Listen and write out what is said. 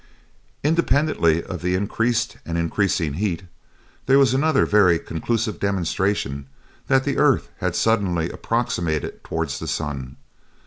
Independently of the increased and increasing heat, there was another very conclusive demonstration that the earth had thus suddenly approximated towards the sun.